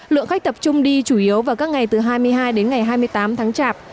lượng khách tập trung đi chủ yếu vào các ngày từ hai mươi hai đến ngày hai mươi tám tháng chạp